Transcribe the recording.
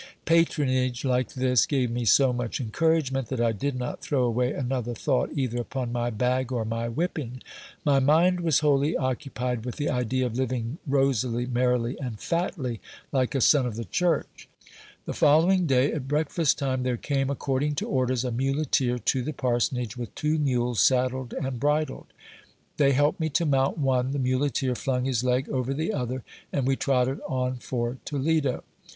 Patronage like this gave me so much encouragement, that I did not throw away another thought either upon my bag or my whipping. My mind was wholly occupied with the idea of living rosily, merrily, and fatly, like a son of the church. The following day, at breakfast time, there came, according to orders, a muleteer to the parsonage, with two mules saddled and bridled. They helped me to mount one, the muleteer flung his leg over the other, and we trotted on for Toledo.